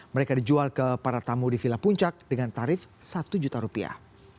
mereka dijual ke para tamu di villa puncak dengan tarif satu juta rupiah